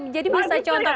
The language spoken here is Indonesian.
jadi bisa contoh